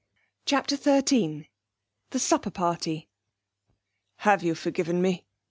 CHAPTER XIII The Supper party 'Have you forgiven me?'